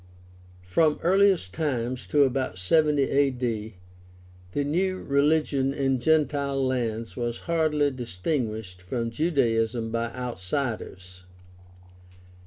— From earliest times to about 70 A.D. the new religion in gentile lands was hardly distinguished from Judaism by outsiders.